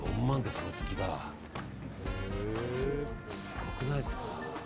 すごくないですか？